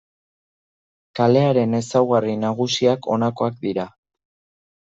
Kalearen ezaugarri nagusiak honakoak dira.